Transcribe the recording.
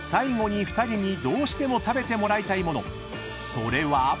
［それは］